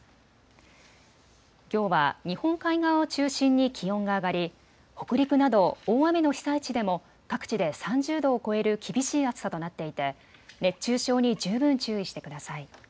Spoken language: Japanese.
きょうは日本海側を中心に気温が上がり北陸など大雨の被災地でも各地で３０度を超える厳しい暑さとなっていて熱中症に十分注意してください。